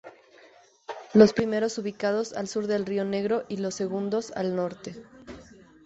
Los primeros ubicados al sur del Río Negro y los segundos al norte.